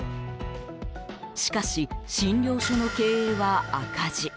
しかし、診療所の経営は赤字。